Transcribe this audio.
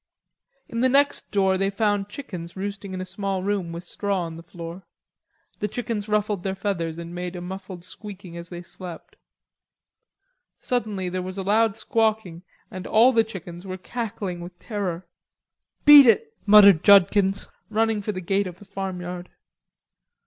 In the next door they found chickens roosting in a small room with straw on the floor. The chickens ruffled their feathers and made a muffled squeaking as they slept. Suddenly there was a loud squawking and all the chickens were cackling with terror. "Beat it," muttered Judkins, running for the gate of the farmyard.